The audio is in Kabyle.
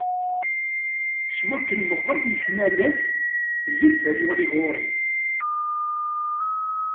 Seg wakken meqqret leḥnana-k, zzi-d tamuɣli-k ɣur-i!